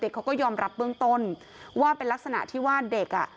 เขาก็ยอมรับเบื้องต้นว่าเป็นลักษณะที่ว่าเด็กอ่ะ